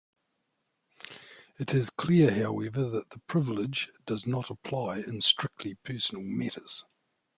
It is clear, however, that the privilege does not apply in strictly personal matters.